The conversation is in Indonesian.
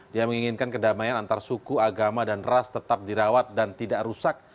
dia menginginkan kedamaian antar suku agama dan ras tetap dirawat dan tidak rusak